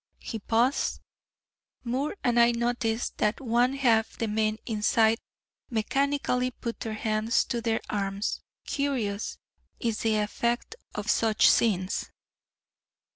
He paused. Moore and I noticed that one half the men in sight mechanically put their hands to their arms curious is the effect of such scenes.